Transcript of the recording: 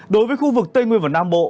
đối với khu vực tây nguyên và nam bộ